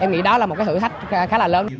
em nghĩ đó là một cái thử thách khá là lớn